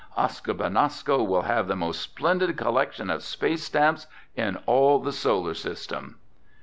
Oscar Benasco will have the most splendid collection of space stamps in all the Solar System!"